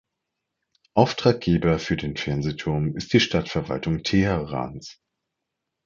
Auftraggeber für den Fernsehturm ist die Stadtverwaltung Teherans.